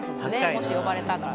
もし呼ばれたら。